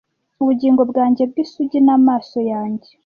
ubugingo bwanjye bw'isugi n'amaso yanjye